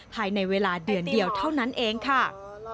ภายในเวลาเดือนเดียวเท่านั้นเองค่ะ